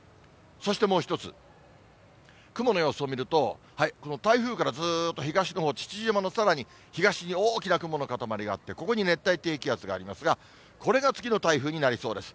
そしてもう一つ、雲の様子を見ると、この台風からずーっと東のほう、父島のさらに東に大きな雲の固まりがあって、ここに熱帯低気圧がありますが、これが次の台風になりそうです。